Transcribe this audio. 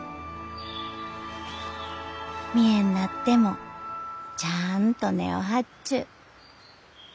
見えんなってもちゃあんと根を張っちゅう。